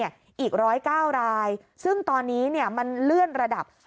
อีก๑๐๙รายซึ่งตอนนี้มันเลื่อนระดับ